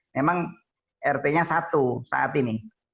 memang rt nya satu saat ini